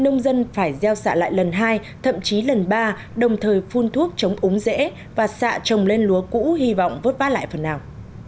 nông dân phải gieo xạ lại lần hai thậm chí lần ba đồng thời phun thuốc chống ống dễ và xạ trồng lên lúa cũ hy vọng vớt vát lại phần nào